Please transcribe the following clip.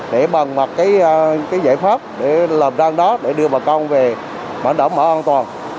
để bằng mặt cái giải pháp để làm ra đó để đưa bà con về bảo đảm mở an toàn